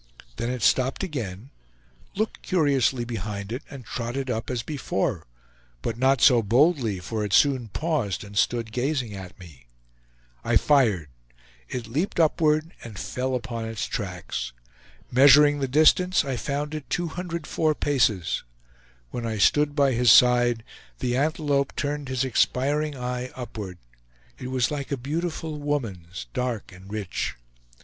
Then it stopped again, looked curiously behind it, and trotted up as before; but not so boldly, for it soon paused and stood gazing at me. I fired; it leaped upward and fell upon its tracks. Measuring the distance, I found it 204 paces. When I stood by his side, the antelope turned his expiring eye upward. It was like a beautiful woman's, dark and rich.